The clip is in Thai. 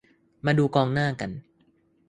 มาดูกองหน้ากัน